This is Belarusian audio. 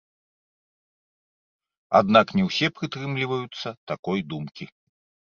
Аднак не ўсе прытрымліваюцца такой думкі.